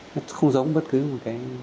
nó không giống bất cứ một cái